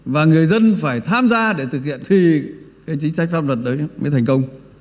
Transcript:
và người dân phải tham gia để thực hiện thì cái chính sách pháp luật đấy mới thành công